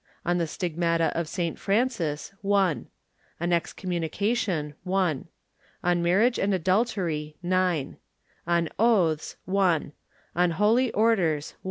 On the Stigmata of St Francis .... On Excommunication . On Marriage and Adultery On Oaths .... On Holy Orders